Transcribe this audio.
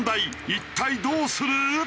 一体どうする？